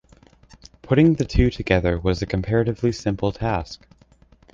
Putting the two together was a comparatively simple task.